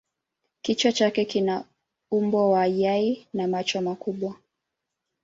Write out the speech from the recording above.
Kichwa chake kina umbo wa yai na macho makubwa.